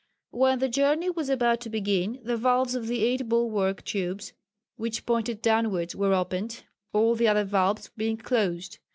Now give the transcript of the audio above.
When the journey was about to begin the valves of the eight bulwark tubes which pointed downwards were opened all the other valves being closed.